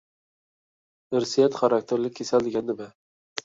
ئىرسىيەت خاراكتېرلىك كېسەل دېگەن نېمە؟